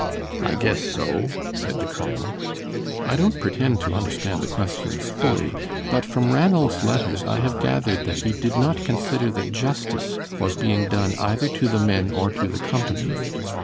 "I guess so," said the colonel. "I don't pretend to understand the questions fully, but from Ranald's letters I have gathered that he did not consider that justice was being done either to the men or to the company.